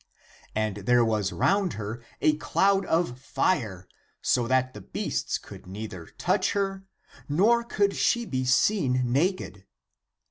And there was round her a cloud of fire, so that the beasts could neither touch her, nor could she be seen naked.